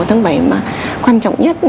tháng bảy mà quan trọng nhất